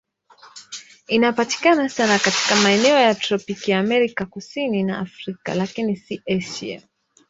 Inapatikana sana katika maeneo ya tropiki Amerika Kusini na Afrika, lakini si Asia.